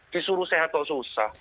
disuruh sehat atau susah